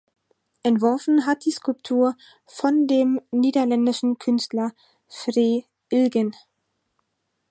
Entworfen hat die Skulptur von dem niederländischen Künstler Fre Ilgen.